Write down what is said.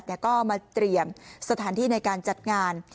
ก็มาเตรียมสถานที่ในการจัดงาน